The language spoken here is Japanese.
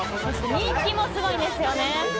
人気もすごいんですよね。